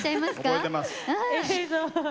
覚えてます。